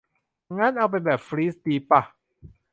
งั้น เอาเป็นแบบฟรีซดีป่ะ